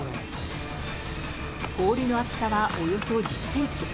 氷の厚さはおよそ１０センチ。